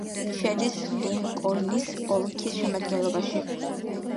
შედის ლინკოლნის ოლქის შემადგენლობაში.